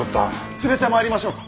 連れてまいりましょうか？